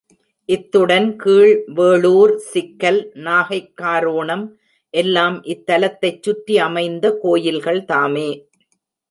இத்துடன் கீழ் வேளூர், சிக்கல், நாகைக் காரோணம் எல்லாம் இத்தலத்தைச் சுற்றி அமைந்த கோயில்கள் தாமே.